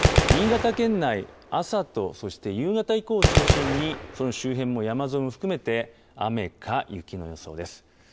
新潟県内、朝とそして夕方以降を中心に、その周辺も山沿いを含めて、雨か雪の予想です。